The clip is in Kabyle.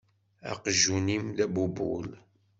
Aqjun-im d abubul.